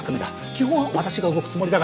基本は私が動くつもりだが。